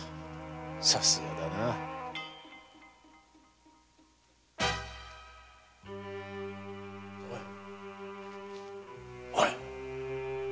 さすがだな。おい！